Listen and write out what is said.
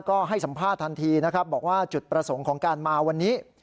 ก็ให้สัมภาษณ์ทันทีนะครับบอกว่าจุดประสงค์ของการมาวันนี้